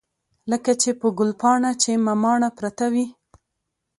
لکه په ګلپاڼه چې مماڼه پرته وي.